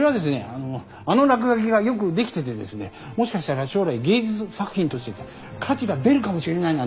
あのあの落書きがよくできててですねもしかしたら将来芸術作品として価値が出るかもしれないなんていう書き込みが。